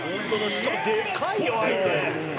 しかもでかいよ相手」